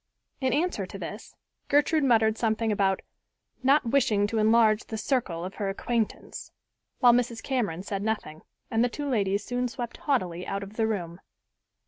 In answer to this, Gertrude muttered something about "not wishing to enlarge the circle of her acquaintance," while Mrs. Cameron said nothing, and the two ladies soon swept haughtily out of the room.